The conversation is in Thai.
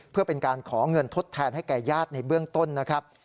เพื่อเป็นการขอเงินทดแทนให้แก่ญาติในเบื้องต้นนะครับ